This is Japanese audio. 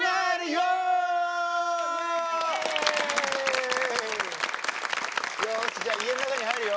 よしじゃあ家の中に入るよ。